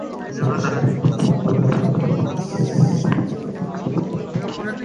অর্জুনও তাঁহার বিপক্ষে প্রবল সৈন্যব্যূহ সজ্জিত দেখিয়া ভীত হইয়াছিলেন।